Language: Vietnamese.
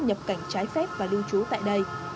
nhập cảnh trái phép và lưu trú tại đây